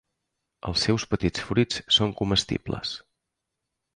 Els seus petits fruits són comestibles.